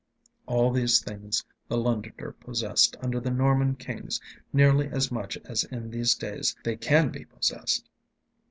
All these things the Londoner possessed under the Norman kings nearly as much as in these days they can be possessed.